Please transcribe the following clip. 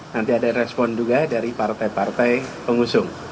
nanti ada respon juga dari partai partai pengusung